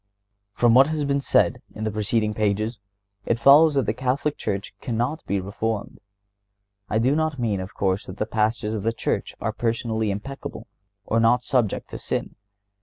From what has been said in the preceding pages, it follows that the Catholic Church cannot be reformed. I do not mean, of course, that the Pastors of the Church are personally impeccable or not subject to sin.